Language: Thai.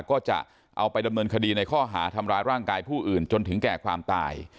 ก็จะเอาไปดำเนินคดีในข้อหาทำร้ายร่างกายผู้อื่นจนถึงแก่ความตาย